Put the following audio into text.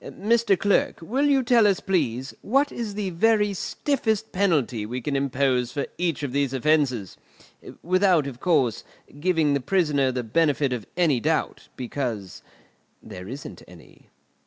Mr. Clerk, will you tell us, please, what is the very stiffest penalty we can impose for each of these offences? Without, of course, giving the prisoner the benefit of any doubt, because there isn't any."